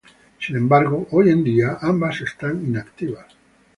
Sin embargo, hoy en día ambas están inactivas.